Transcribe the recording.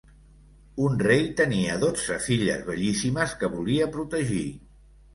Un rei tenia dotze filles bellíssimes que volia protegir.